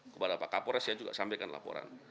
kepada pak kapolres saya juga sampaikan laporan